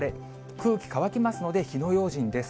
空気乾きますので、火の用心です。